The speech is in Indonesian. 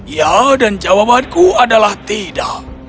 ya dan jawabanku adalah tidak